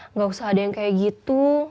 nggak usah ada yang kayak gitu